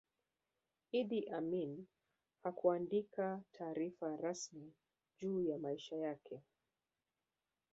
iddi amin hakuandika taarifa rasmi juu ya maisha yake